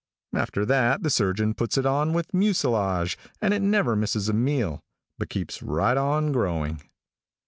After that the surgeon puts it on with mucilage and it never misses a meal, but keeps right on growing.